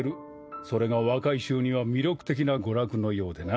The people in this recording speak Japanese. それが若い衆には魅力的な娯楽のようでな。